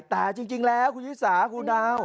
แต่จริงแล้วคุณชิสาคุณดาว